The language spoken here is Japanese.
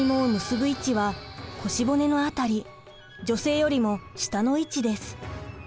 女性よりも下の位置です。